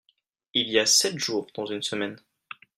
Il y a sept jours dans une semaine.